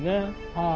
はい。